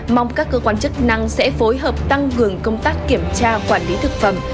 mong các cơ quan chức năng sẽ phối hợp tăng cường công tác kiểm tra quản lý thực phẩm